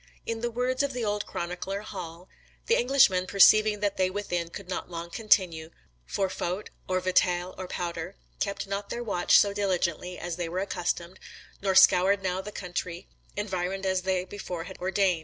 In the words of the old chronicler Hall: [Hall, f. 127.] "The Englishmen, perceiving that they within could not long continue for faute of vitaile and pouder, kepte not their watche so diligently as thei were accustomed, nor scoured now the countrey environed as thei before had ordained.